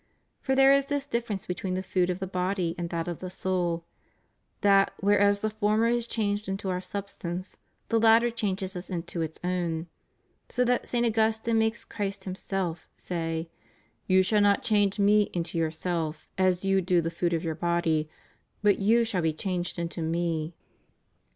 For there is this difference between the food of the body and that of the soul, that whereas the former is changed into our substance, the latter changes us into its own; so that St. Augustine makes Christ Himself say: "You shall not change Me into yourself as you do the food of your body, but you shall be changed into Me."